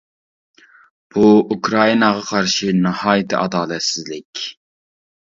بۇ ئۇكرائىناغا قارشى ناھايىتى ئادالەتسىزلىك!